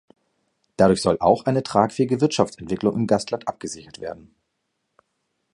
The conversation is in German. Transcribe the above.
Dadurch soll auch eine tragfähige Wirtschaftsentwicklung im Gastland abgesichert werden.